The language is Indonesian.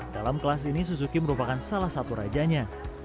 dalam kelas ini suzuki merupakan salah satu rajanya